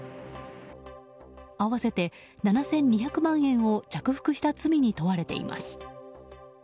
合わせて７２００万円を着服した罪に問われています。